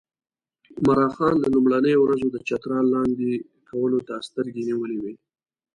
عمرا خان له لومړیو ورځو د چترال لاندې کولو ته سترګې نیولې وې.